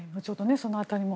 その辺りも。